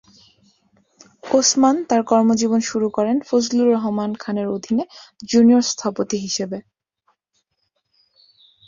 ওসমান তার কর্মজীবন শুরু করেন ফজলুর রহমান খানের অধীনে জুনিয়র স্থপতি হিসেবে।